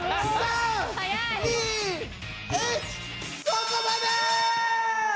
そこまで！